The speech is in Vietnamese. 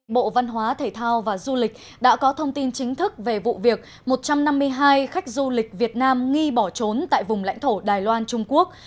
bộ văn hóa thể thao và du lịch đã có thông tin chính thức về vụ việc một trăm năm mươi hai khách du lịch việt nam nghi bỏ trốn tại vùng lãnh thổ đài loan trung quốc